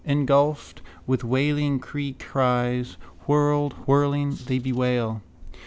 Engulfed with wailing creecries, whirled, whirling, they bewail.